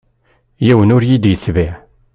Yiwen ur yi-d-yetbiε.